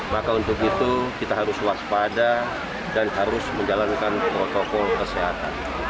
maka untuk itu kita harus waspada dan harus menjalankan protokol kesehatan